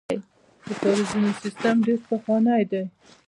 د کاریزونو سیسټم ډیر پخوانی دی